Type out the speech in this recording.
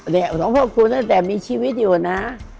แล้วหลวงพ่อคูณตั้งแต่มีชีวิตอยู่นะ